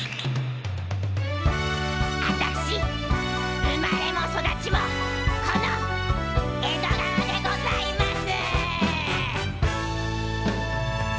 あたし生まれも育ちもこの江戸川でございます。